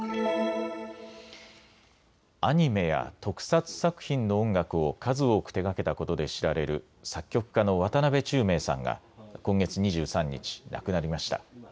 アニメや特撮作品の音楽を数多く手がけたことで知られる作曲家の渡辺宙明さんが今月２３日亡くなりました。